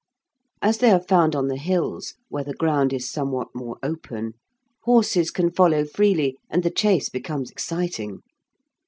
As they are found on the hills where the ground is somewhat more open, horses can follow freely, and the chase becomes exciting.